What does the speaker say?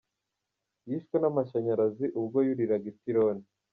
Yishwe n’amashanyarazi ubwo yuriraga ipironi